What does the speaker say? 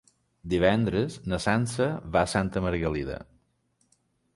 Divendres na Sança va a Santa Margalida.